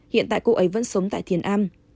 hiện tại cô ấy vẫn sống tại thiền an